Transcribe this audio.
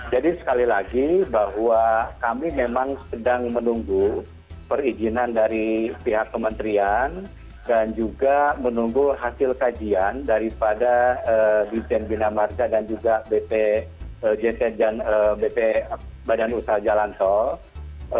jadi sekali lagi bahwa kami memang sedang menunggu perizinan dari pihak kementerian dan juga menunggu hasil kajian daripada bisen binamarca dan juga bp badan usaha jalan tol